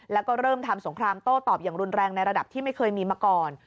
แล้วก็เริ่มทำสงครามโต้ตอบอย่างรุนแรงในระดับที่ไม่เคยมีมาก่อน